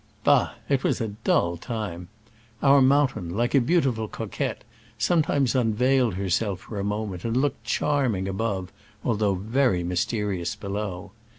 Bah ! it was a dull time. Our moun tain, like a beautiful coquette, some times unveil ed herself f o r a mo m e n t and looked charming above, al though very mysterious below.